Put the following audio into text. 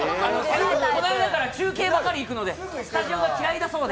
この間から中継ばかり行くのでスタジオが嫌いだそうで。